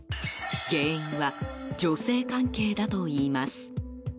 原因は女性関係だといいます。